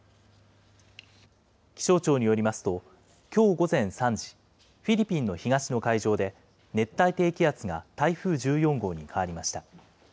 気象庁によりますと、きょう午前３時、フィリピンの東の海上で熱帯低気圧が台風１４号に変わりました。